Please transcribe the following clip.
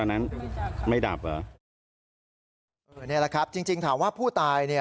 นี่แหละครับจริงถามว่าผู้ตาย